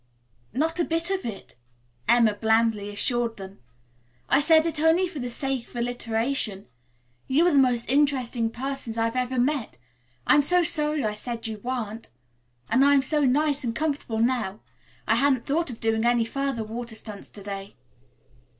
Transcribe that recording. "Not a bit of it," Emma blandly assured them. "I said it only for the sake of alliteration. You are the most interesting persons I've ever met. I am so sorry I said you weren't, and I'm so nice and comfortable now. I hadn't thought of doing any further water stunts to day."